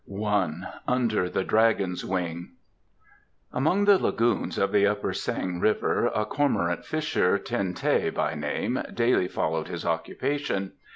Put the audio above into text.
i. UNDER THE DRAGON'S WING Among the lagoons of the Upper Seng river a cormorant fisher, Ten teh by name, daily followed his occupation.